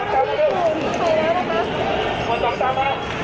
สวัสดีครับ